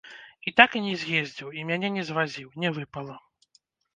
І так і не з'ездзіў і мяне не звазіў, не выпала.